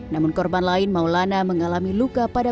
namun korban lain maulana mengalami luka pada